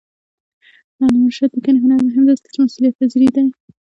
د علامه رشاد لیکنی هنر مهم دی ځکه چې مسئولیتپذیر دی.